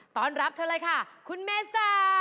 รับเธอเลยค่ะคุณเมษา